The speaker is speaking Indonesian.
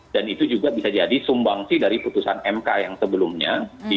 dan itu juga bisa jadi sumbangsi dari putusan mk yang sebelumnya